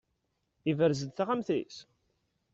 Yebrez-d taxxamt-is?